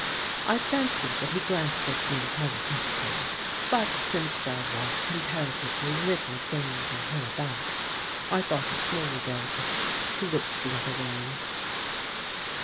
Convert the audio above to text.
I fancy that he glanced at me apologetically; but since there was comparatively little danger hereabouts I thought it more delicate to look the other way.